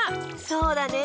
そうだね。